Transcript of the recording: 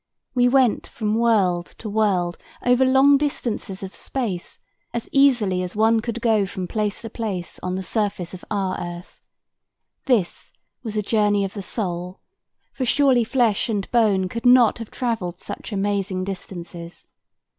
We went from world to world over long distances of space as easily as one could go from place to place on the surface of our earth. This was a journey of the soul, for surely flesh and bone could not have traveled such amazing distances.